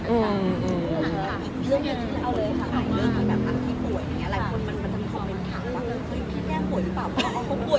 เออเออเออ